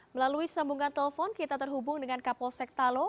melalui sambungan telepon kita terhubung dengan kapolsek talo